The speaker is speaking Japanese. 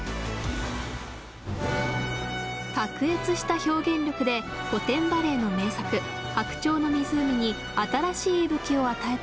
卓越した表現力で古典バレエの名作「白鳥の湖」に新しい息吹を与えたステージ。